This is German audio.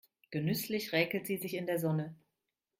Genüsslich räkelt sie sich in der Sonne.